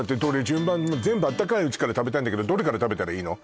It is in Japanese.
順番全部あったかいうちから食べたいんだけどどれから食べたらいいの？